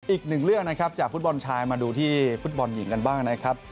อีกหนึ่งเรื่องนะครับจากฟุตบอลชายมาดูที่ฟุตบอลหญิงกันบ้างนะครับ